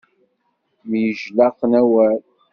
Myejlaqen awal.